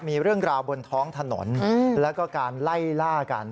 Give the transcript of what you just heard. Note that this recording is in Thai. มีเรื่องราวบนท้องถนนแล้วก็การไล่ล่ากัน